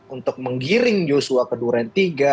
untuk menggiring joshua ke duren tiga